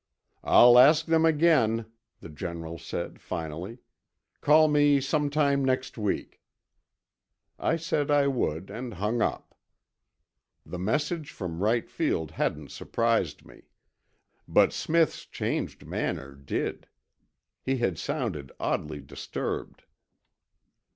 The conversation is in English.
"I'll ask them again," the General said finally. "Call me sometime next week." I said I would, and hung up. The message from Wright Field hadn't surprised me. But Smith's changed manner did. He had sounded oddly disturbed.